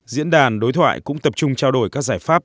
diễn đàn đối thoại cũng tập trung trao đổi các giải pháp